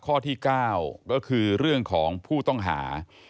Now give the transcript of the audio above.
ข้อที่๙ก็คือเรื่องของผู้ต้องหา